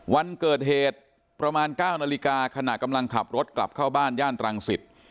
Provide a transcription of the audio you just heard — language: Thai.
วันเกิดเหตุประมาณ๙นาฬิกาขณะกำลังขับรถกลับเข้าบ้านย่านตรังสิต